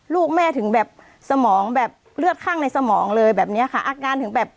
ลูกแม่ถึงแบบสมองแบบเลือดข้างในสมองเลยแบบเนี้ยค่ะอาการถึงแบบ